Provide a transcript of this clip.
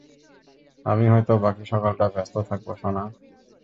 আমি হয়ত বাকি সকালটা ব্যস্ত থাকবো, সোনা।